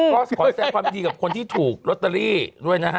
ก็บอกว่าแค่ความเดียวกับคนที่ถูกโรตเตอรี่ด้วยนะฮะ